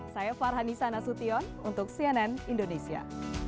saya farhanisa nasution untuk cnn indonesia